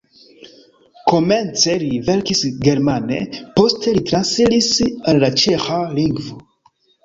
Komence li verkis germane, poste li transiris al la ĉeĥa lingvo.